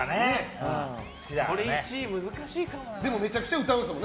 これ、１位難しいかもね。